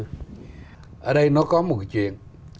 ở đây nó có một cái chuyện